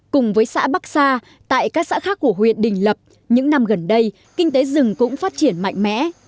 cùng với xã bắc sa tại các xã khác của huyện đình lập những năm gần đây kinh tế rừng cũng phát triển mạnh mẽ